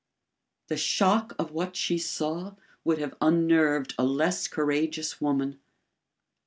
The shock of what she saw would have unnerved a less courageous woman.